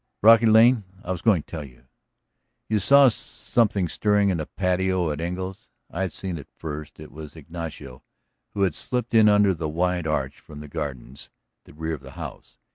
"Brocky Lane? I was going to tell you. You saw something stirring in the patio at Engle's? I had seen it first; it was Ignacio who had slipped in under the wide arch from the gardens at the rear of the house.